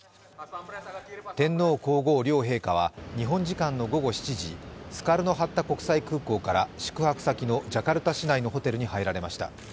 天皇皇后両陛下は日本時間の午後７時スカルノ・ハッタ国際空港から宿泊先のジャカルタ市内のホテルに入られました。